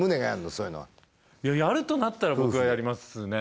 そういうのはやるとなったら僕がやりますね